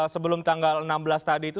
sebelum tanggal enam belas tadi itu